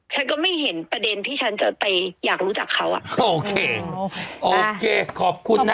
ฉันก็ไม่เห็นประเด็นที่ฉันจะไปอยากรู้จักเขาอ่ะโอเคโอเคขอบคุณนะ